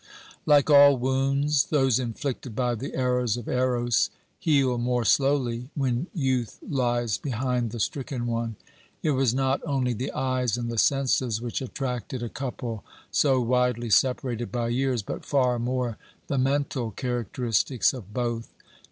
Like all wounds, those inflicted by the arrows of Eros heal more slowly when youth lies behind the stricken one. It was not only the eyes and the senses which attracted a couple so widely separated by years, but far more the mental characteristics of both.